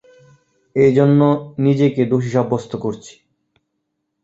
এ জন্য নিজেকে দোষী সাব্যস্ত করছি।